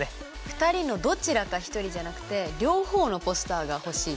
２人のどちらか１人じゃなくて両方のポスターが欲しいと。